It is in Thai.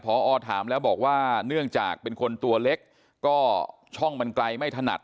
พอถามแล้วบอกว่าเนื่องจากเป็นคนตัวเล็กก็ช่องมันไกลไม่ถนัด